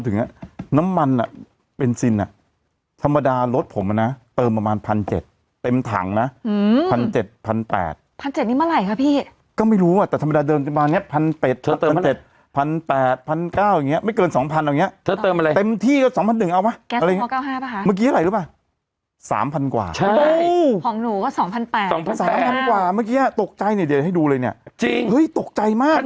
แต่วันนี้เธอเป็นซุปเปอร์สตารระดับพิธีกรฉันไม่กล้าแตก